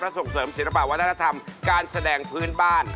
ส่งเสริมศิลปะวัฒนธรรมการแสดงพื้นบ้าน